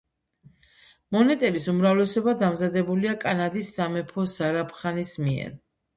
მონეტების უმრავლესობა დამზადებულია კანადის სამეფო ზარაფხანის მიერ.